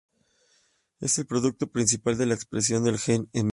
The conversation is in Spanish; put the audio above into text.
Es el producto principal de la expresión del gen env.